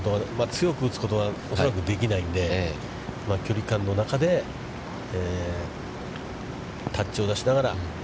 強く打つことは恐らくできないので、距離感の中でタッチを出しながら。